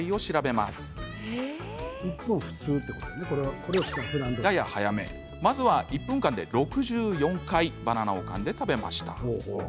まずは、１分間で６４回バナナをかんで食べました。